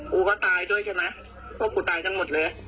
กูก็ตายด้วยใช่ไหมพวกกูตายทั้งหมดเลย